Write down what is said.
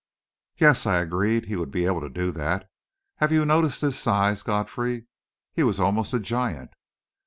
"Yes," I agreed; "he would be able to do that. Have you noticed his size, Godfrey? He was almost a giant!"